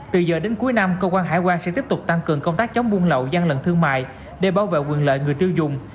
từ giờ đến cuối năm cơ quan hải quan sẽ tiếp tục tăng cường công tác chống buôn lậu gian lận thương mại để bảo vệ quyền lợi người tiêu dùng